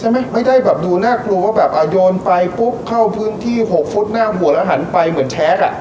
ไม่ได้แบบดูน่ากลัวว่าแบบโยนไปปุ๊บเข้าพื้นที่หกฟุตหน้าหัวแล้วหันไปเหมือนแชทอ่ะ